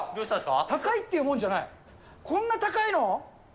高いってもんじゃない、こんな高いの？